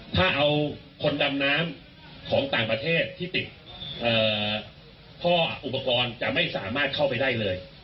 ถ้าเอาคนดำน้ำของต่างประเทศที่ติดท่ออุปกรณ์จะไม่สามารถเข้าไปได้เลย